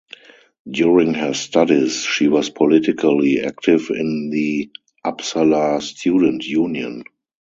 During her studies she was politically active in the Uppsala Student Union.